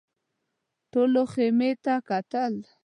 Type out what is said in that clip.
ټولو خيمې ته کتل.